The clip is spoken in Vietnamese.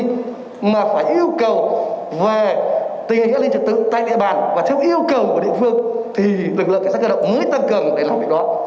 nếu không có nhu cầu về tình hình gãi lý trực tự tại địa bàn và theo yêu cầu của địa phương thì lực lượng cảnh sát cơ động mới tăng cầm để làm việc đó